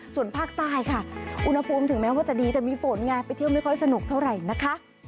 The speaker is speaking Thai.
ส่วนภาคใต้ค่ะอุณหภูมิถึงแม้ว่าจะดีแต่มีฝนไงไปเที่ยวไม่ค่อยสนุกเท่าไหร่นะคะ